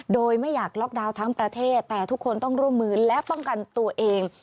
โดยไม่อยากล็อกดาวน์ทั้งประเทศแต่ทุกคนต้องร่วมมือและป้องกันตัวเอง